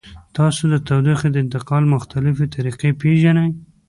تاسو د تودوخې د انتقال مختلفې طریقې پیژنئ؟